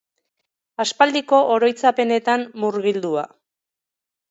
Aspaldiko oroitzapenetan murgildua.